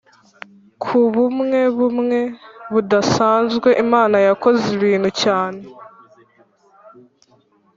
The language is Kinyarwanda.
ku bumwe bumwe budasanzwe imana yakoze ibintu cyane